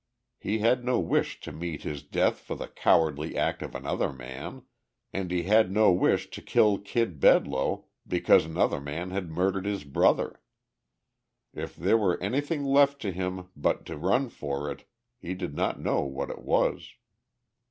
He had no wish to meet his death for the cowardly act of another man and he had no wish to kill Kid Bedloe because another man had murdered his brother. If there were anything left to him but to run for it, he did not know what it was.